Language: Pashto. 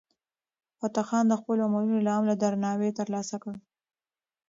فتح خان د خپلو عملونو له امله درناوی ترلاسه کړ.